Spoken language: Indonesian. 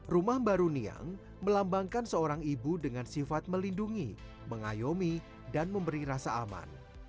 rumah baru niang melambangkan seorang ibu dengan sifat melindungi mengayomi dan memberi rasa aman